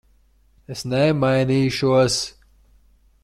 Es nemainīšos.